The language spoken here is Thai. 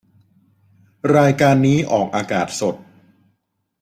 รายการนี้ออกอากาศสด